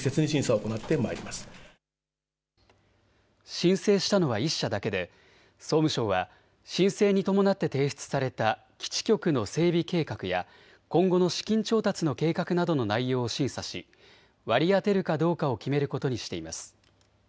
申請したのは１社だけで総務省は申請に伴って提出された基地局の整備計画や今後の資金調達の計画などの内容を審査し割り当てるかどうかを決めることにしています。